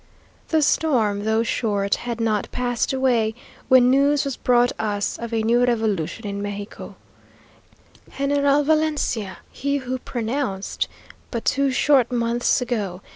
The storm, though short, had not pased away, when news was brought us of a new revolution in Mexico! General Valencia, he who pronounced (but two short months ago!)